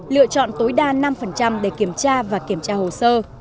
lựa chọn tối đa năm để kiểm tra và kiểm tra hồ sơ